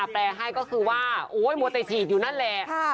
แปลให้ก็คือว่าโอ๊ยมัวแต่ฉีดอยู่นั่นแหละ